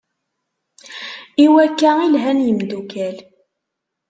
I wakka i lhan yemdukal.